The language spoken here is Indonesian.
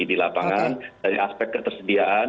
di lapangan dari aspek ketersediaan